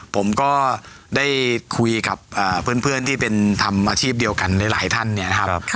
ผมก็ได้คุยกับเพื่อนที่เป็นทำอาชีพเดียวกันหลายท่านเนี่ยนะครับ